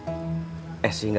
akan belik lagi kesana